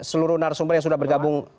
seluruh narasumber yang sudah bergabung